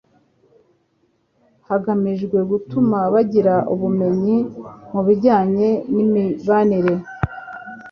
hagamijwe gutuma bagira ubumenyi mu bijyanye n'imibanire,